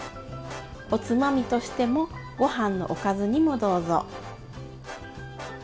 おつまみとしてもごはんのおかずにもどうぞ。